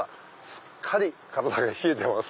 すっかり体が冷えてます。